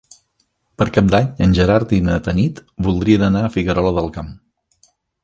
Per Cap d'Any en Gerard i na Tanit voldrien anar a Figuerola del Camp.